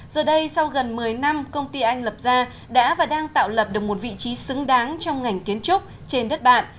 giờ đây sau gần một mươi năm công ty anh lập ra đã và đang tạo lập được một vị trí xứng đáng trong ngành kiến trúc trên đất bạn